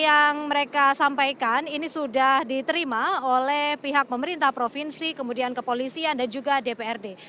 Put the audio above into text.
yang mereka sampaikan ini sudah diterima oleh pihak pemerintah provinsi kemudian kepolisian dan juga dprd